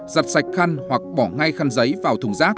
giật sạch khăn hoặc bỏ ngay khăn giấy vào thùng rác